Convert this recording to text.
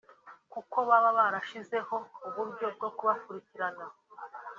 kuko baba barashyizeho uburyo bwo kubakurikirana